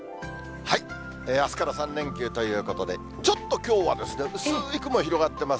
あすから３連休ということで、ちょっときょうは薄い雲広がってます。